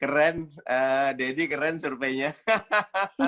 keren deddy keren surveinya hahaha